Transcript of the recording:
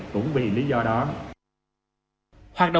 cũng vì lý do đó